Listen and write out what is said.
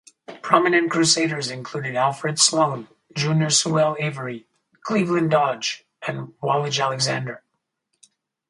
Prominent Crusaders included Alfred Sloan, Junior Sewell Avery, Cleveland Dodge, and Wallage Alexander.